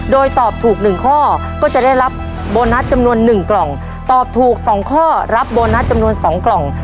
โดยตอบถูกหนึ่งข้อก็จะได้รับโบนัสจำนวน๑กล่องตอบถูก๒ข้อรับโบนัสจำนวน๒กล่อง